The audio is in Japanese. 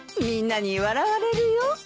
みんなに笑われるよ。